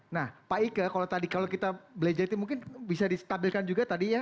nah pak ike kalau tadi kalau kita belajar itu mungkin bisa distabilkan juga tadi ya